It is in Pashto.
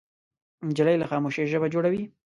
نجلۍ له خاموشۍ ژبه جوړوي.